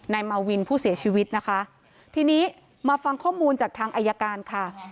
มาวินผู้เสียชีวิตนะคะทีนี้มาฟังข้อมูลจากทางอายการค่ะ